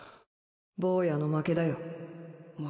坊やの負けだよ